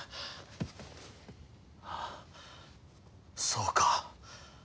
あっそうか。